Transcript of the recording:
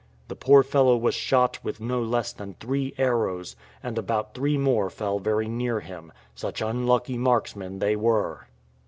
The poor fellow was shot with no less than three arrows, and about three more fell very near him; such unlucky marksmen they were!